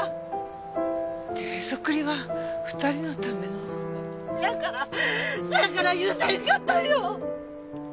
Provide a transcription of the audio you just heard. じゃへそくりは２人のための。せやからせやから許せへんかったんよ！